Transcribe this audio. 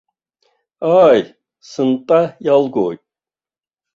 Ааи, сынтәа иалгоит.